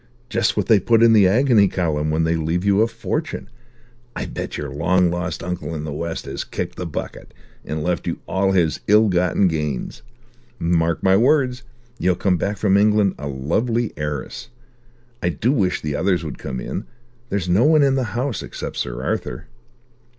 Just what they put in the agony column when they leave you a fortune. I bet your long lost uncle in the West has kicked the bucket, and left you all his ill gotten gains. Mark my words. You'll come back from England a lovely heiress. I do wish the others would come in. There's no one in the house, except Sir Arthur."